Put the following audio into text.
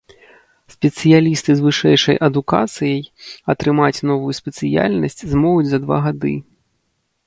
Спецыялісты з вышэйшай адукацыяй атрымаць новую спецыяльнасць змогуць за два гады.